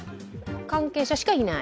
関係者しかいない？